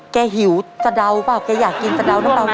แกหิวสะดาวเปล่าแกอยากกินสะดาวน้ำตาวป่ะ